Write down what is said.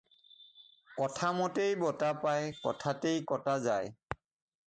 কথামতেই বঁটা পায়; কথাতেই কটা যায়।